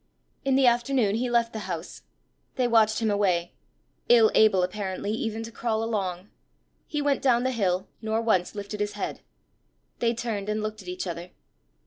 In the afternoon he left the house. They watched him away ill able, apparently, even to crawl along. He went down the hill, nor once lifted his head. They turned and looked at each other.